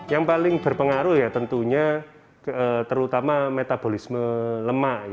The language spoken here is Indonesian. yang paling berpengaruh ya tentunya terutama metabolisme lemak